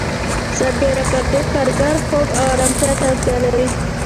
سربېره پر دې کارګر خوب او آرامتیا ته اړتیا لري